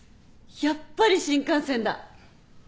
やっぱり新幹線だ。